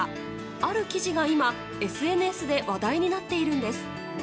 ある記事が今、ＳＮＳで話題になっているんです。